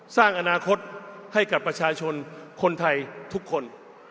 สร้างอนาคตให้กับประชาชนคนไทยทุกคน